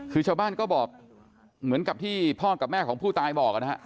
ที่ชาวบ้านเหมือนที่พ่อแบบแม่ของผู้ตายบอก